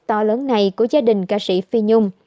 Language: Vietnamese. to lớn này của gia đình ca sĩ phi nhung